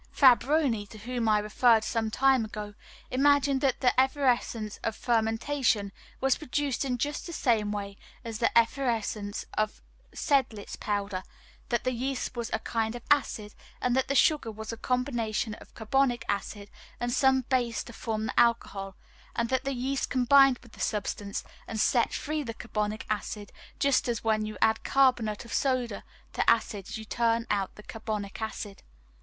Fabroni, to whom I referred some time ago, imagined that the effervescence of fermentation was produced in just the same way as the effervescence of a sedlitz powder, that the yeast was a kind of acid, and that the sugar was a combination of carbonic acid and some base to form the alcohol, and that the yeast combined with this substance, and set free the carbonic acid; just as when you add carbonate of soda to acid you turn out the carbonic acid.